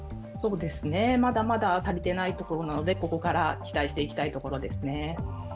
まだまだ足りてないところなので、ここから期待していきたいところですね。